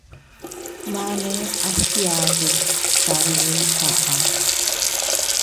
Mane a fgiadu tadilika.